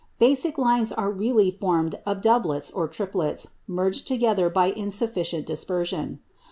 "Basic" lines are really formed of doublets or triplets merged together by insufficient dispersion.